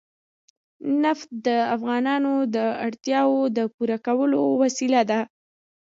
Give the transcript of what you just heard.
نفت د افغانانو د اړتیاوو د پوره کولو وسیله ده.